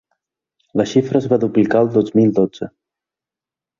La xifra es va duplicar el dos mil dotze.